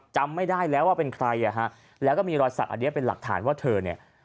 จำไม่ได้แล้วว่าเป็นใครอ่ะฮะแล้วก็มีรอยสักอันนี้เป็นหลักฐานว่าเธอเนี่ย